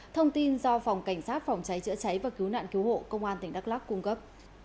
thông tin do phòng cảnh sát phòng cháy chữa cháy và cứu nạn cứu hộ công an tỉnh đắk lắc cung cấp